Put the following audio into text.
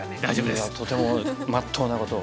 いやとてもまっとうなことを。